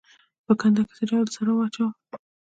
په کنده کې څه ډول سره واچوم؟